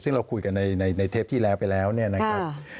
ซึ่งเราคุยกันในเทปที่แล้วไปแล้วเนี่ยนะครับ